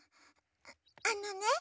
あのね